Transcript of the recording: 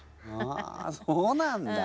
あそうなんだ。